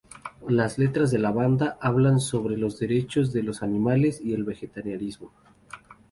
Las letras de la banda hablaban sobre los derechos de los animales y vegetarianismo.